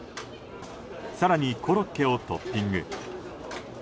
更にコロッケをトッピング。